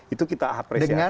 itu kita apresiasi